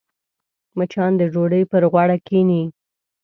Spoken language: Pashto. مچان د ډوډۍ پر غوړه کښېني